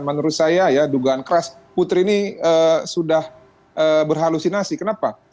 menurut saya ya dugaan keras putri ini sudah berhalusinasi kenapa